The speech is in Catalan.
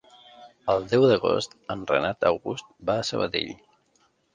El deu d'agost en Renat August va a Sabadell.